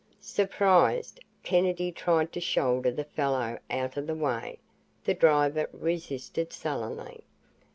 Surprised, Kennedy tried to shoulder the fellow out of the way. The driver resisted sullenly.